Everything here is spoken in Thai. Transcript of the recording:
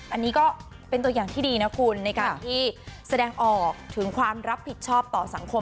อันนี้ก็เป็นตัวอย่างที่ดีนะคุณในการที่แสดงออกถึงความรับผิดชอบต่อสังคม